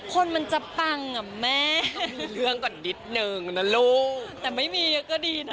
คนมันจะปังอ่ะแม่มีเรื่องก่อนนิดนึงนะลูกแต่ไม่มีก็ดีนะ